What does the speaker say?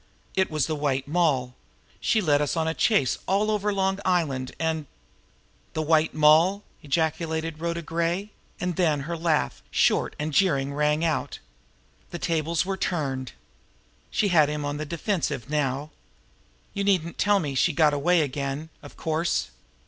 It was the White Moll! She led us a chase all over Long Island, and " "The White Moll!" ejaculated Rhoda Gray. And then her laugh, short and jeering, rang out. The tables were turned. She had him on the defensive now. "You needn't tell me I She got away again, of course!